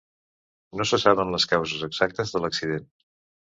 No se saben les causes exactes de l'accident.